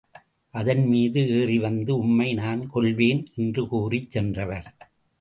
அதன்மீது ஏறி வந்து உம்மை நான் கொல்வேன் என்று கூறிச் சென்றவர்.